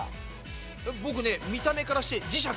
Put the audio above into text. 僕ね見た目からして磁石。